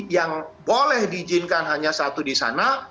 yang boleh diizinkan hanya satu di sana